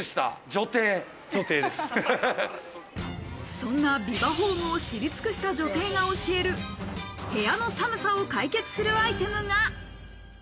そんなビバホームを知り尽くした女帝が教える、部屋の寒さを解決するアイテムが。